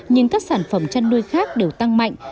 nhưng các sản phẩm chăn nuôi khác đều tăng mạnh